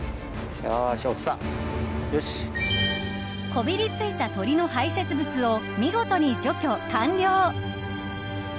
こびりついた鳥の排せつ物を見事に除去完了。